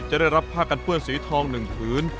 จะได้รับผ้ากันเผื่อนศีลทองหนึ่งกลืน